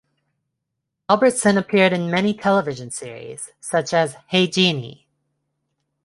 Albertson appeared in many television series, such as Hey, Jeannie!